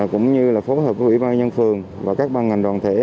cũng như là phối hợp với ủy ban nhân phường và các ban ngành đoàn thể